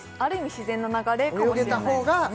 自然の流れかもしれないですね